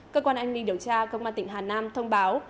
cơ quan an ninh điều tra công an tỉnh hà nam thông báo